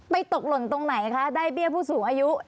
ตกหล่นตรงไหนคะได้เบี้ยผู้สูงอายุ